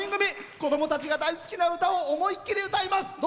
子どもたちが大好きな歌を思い切り歌います。